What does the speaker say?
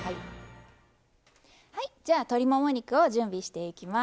じゃあ鶏もも肉を準備していきます。